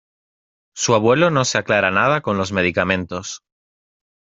Su abuelo no se aclara nada con los medicamentos.